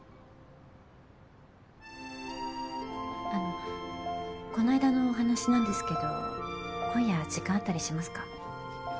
あのこないだのお話なんですけど今夜時間あったりしますか？